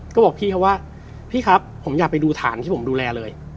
ก็บอกพี่เขาว่าพี่ครับผมอยากไปดูฐานที่ผมดูแลเลย